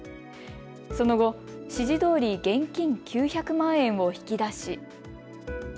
その後、指示どおり現金９００万円を引き出し。